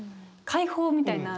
解放みたいな。